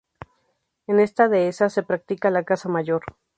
En esta dehesa, se practica la caza mayor.